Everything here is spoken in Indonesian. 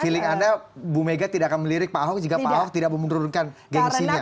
feeling anda bu mega tidak akan melirik pak ahok jika pak ahok tidak menurunkan gengsinya